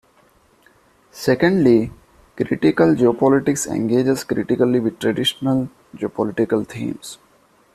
Secondly, critical geopolitics engages critically with 'traditional' geopolitical themes.